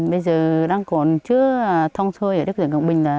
bây giờ đang còn chưa thông xuôi ở đất dưới quảng bình